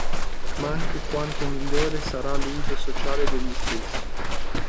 Ma anche quanto migliore sarà l'uso sociale degli stessi.